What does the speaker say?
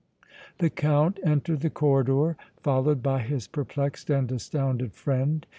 The Count entered the corridor, followed by his perplexed and astounded friend.